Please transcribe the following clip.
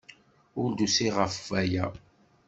Ur d-usiɣ ɣef waya.